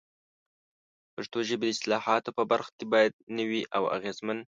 د پښتو ژبې د اصطلاحاتو په برخه کې باید نوي او اغېزمن